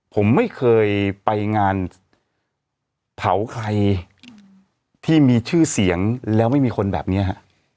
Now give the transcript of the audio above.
ผมไม่เคยไปงานเผาใครที่มีชื่อเสียงแล้วไม่มีคนแบบนี้ฮะ